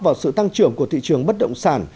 vào sự tăng trưởng của thị trường bất động sản